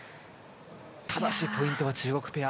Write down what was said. ただしポイントは中国ペア。